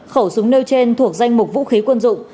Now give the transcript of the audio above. khẩu súng nêu trên thuộc danh mục vũ khí quân dụng